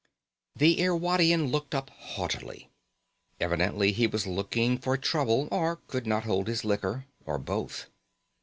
The Irwadian looked up haughtily. Evidently he was looking for trouble, or could not hold his liquor, or both.